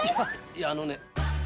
いやあのね。